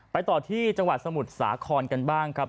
ไปต่อที่จังหวัดสมุทรสาครกันบ้างครับ